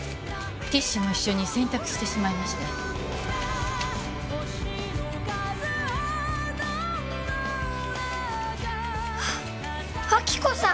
ティッシュも一緒に洗濯してしまいましてあっ亜希子さん